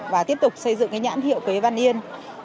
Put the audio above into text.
và tiếp tục xây dựng cái nhãn hiệu quế văn yên